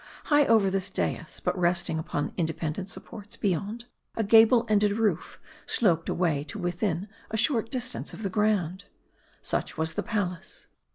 High over this dais, but resting upon independent supports beyond, a gable ended roof sloped away to within a short distance of the ground. Such was the palace.